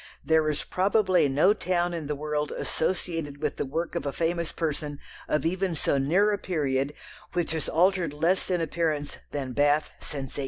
There is probably no town in the world associated with the work of a famous person of even so near a period which has altered less in appearance than Bath since 1805.